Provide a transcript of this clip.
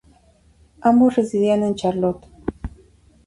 Ambos residían en Charlotte.